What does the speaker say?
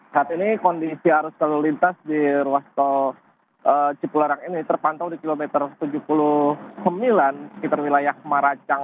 saat ini kondisi arus lalu lintas di ruas tol cipularang ini terpantau di kilometer tujuh puluh sembilan sekitar wilayah maracang